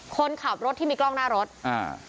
คนขับรถที่มีกล้องหน้ารถอ่า